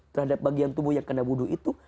terhadap bagian tubuh yang kena wudhu itu